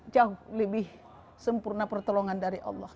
jauh lebih sempurna pertolongan dari allah